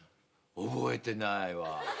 覚えてないわ。